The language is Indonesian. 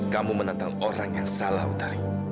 kamu menentang orang yang salah utari